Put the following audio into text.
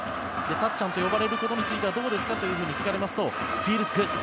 たっちゃんと呼ばれることについてはどうですかと聞かれますとフィールズグッド！